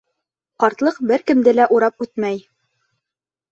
Ҡартлыҡ бер кемде лә урап үтмәй.